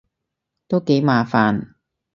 都幾麻煩